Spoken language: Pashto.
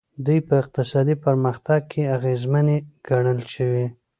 دوی په اقتصادي پرمختګ کې اغېزمنې ګڼل شوي.